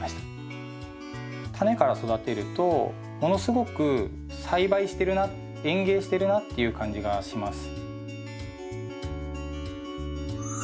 タネから育てるとものすごく栽培してるな園芸してるなっていう感じがします。